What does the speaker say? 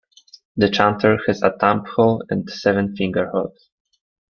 The chanter has a thumb hole and seven finger-holes.